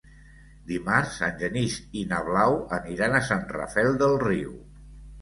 Dimarts en Genís i na Blau aniran a Sant Rafel del Riu.